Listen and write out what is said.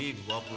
ya udah jangan